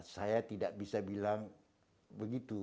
saya tidak bisa bilang begitu